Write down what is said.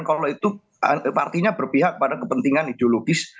kalau itu artinya berpihak pada kepentingan ideologis